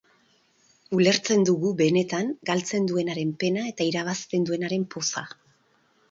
Ulertzen dugu, benetan, galtzen duenaren pena eta irabazten duenaren poza.